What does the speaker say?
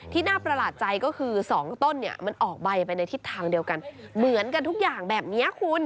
น่าประหลาดใจก็คือ๒ต้นเนี่ยมันออกใบไปในทิศทางเดียวกันเหมือนกันทุกอย่างแบบนี้คุณ